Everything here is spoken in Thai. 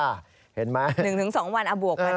๑๒วันบวกไหมครับ